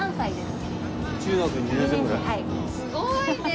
すごいね！